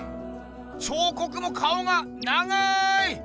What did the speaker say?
彫刻も顔が長い！